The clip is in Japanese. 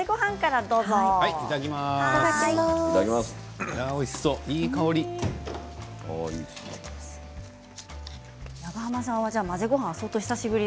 いい香り。